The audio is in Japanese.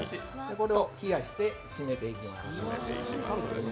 これを冷やしてしめていきます。